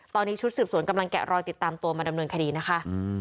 ตอนนี้ชุดสืบสวนกำลังแกะรอยติดตามตัวมาดำเนินคดีนะคะ